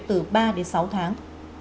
từ ba đến sáu tháng